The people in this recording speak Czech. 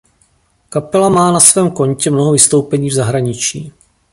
Kapela má na svém kontě mnoho vystoupení v zahraničí.